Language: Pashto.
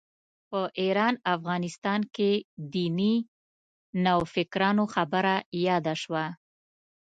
په ایران افغانستان کې دیني نوفکرانو خبره یاده شوه.